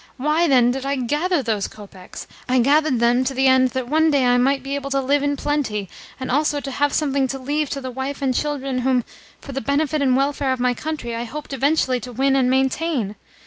Why, then, did I gather those kopecks? I gathered them to the end that one day I might be able to live in plenty, and also to have something to leave to the wife and children whom, for the benefit and welfare of my country, I hoped eventually to win and maintain.